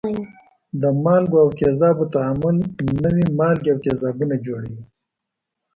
د مالګو او تیزابو تعامل نوي مالګې او تیزابونه جوړوي.